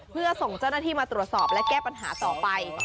เพื่อส่งเจ้าหน้าที่มาตรวจสอบและแก้ปัญหาต่อไป